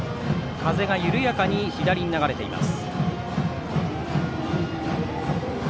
風が緩やかに左に流れています。